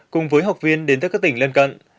cùng với học viên đến từ các tỉnh lân cận